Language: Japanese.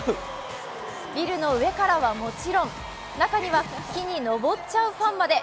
ビルの上からはもちろん、中には木に登っちゃうファンまで。